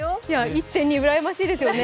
１．２うらやましいですよね。